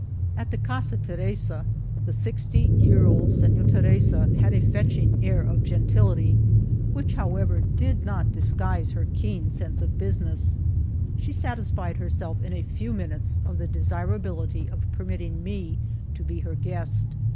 At the Casa Teresa the sixty years* old Sefiora Teresa had a fetching air of gentility, which, however, did not disguise her keen sense of business. She satisfied herself in a few minutes of the desirability of permitting me to be her guest.